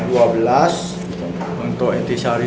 untuk etisari dua belas